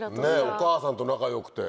お母さんと仲良くて。